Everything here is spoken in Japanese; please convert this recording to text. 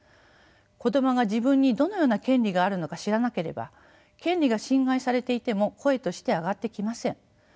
子どもが自分にどのような権利があるのか知らなければ権利が侵害されていても声として上がってきません。